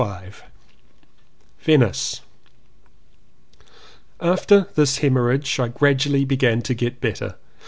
237 VENICE AFTER this hemorrhage I gradually began to get better.